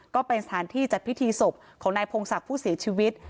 ก็เป็นสถานที่จัดพิธีศพของนายพงศักดิ์ผู้เสียชีวิต